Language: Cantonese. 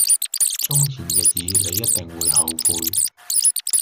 忠言逆耳你一定會後悔